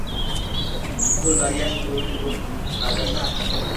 Phulbaria Nurul Ulum Madrasa.